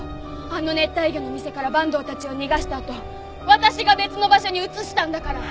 あの熱帯魚の店から坂東たちを逃がしたあと私が別の場所に移したんだから。